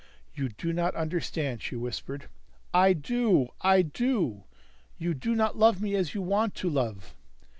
"You do not understand," she whispered. "I do. I do. You do not love me as you want to love."